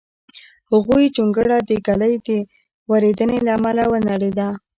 د هغوی جونګړه د ږلۍ وریدېنې له امله ونړېده